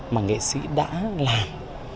mà nghệ sĩ đã làm